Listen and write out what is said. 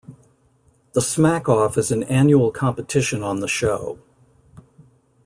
The Smack-Off is an annual competition on the show.